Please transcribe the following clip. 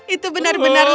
itu benar benar lucu